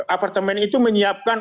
apartemen itu menyiapkan